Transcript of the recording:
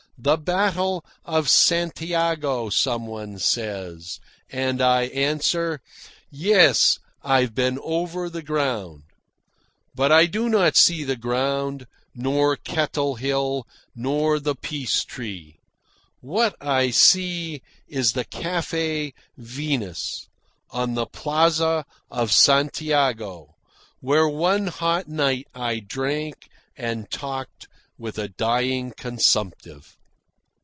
"The Battle of Santiago," some one says, and I answer, "Yes, I've been over the ground." But I do not see the ground, nor Kettle Hill, nor the Peace Tree. What I see is the Cafe Venus, on the plaza of Santiago, where one hot night I drank and talked with a dying consumptive.